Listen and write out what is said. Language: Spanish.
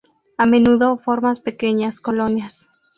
A menudo formas pequeñas colonias.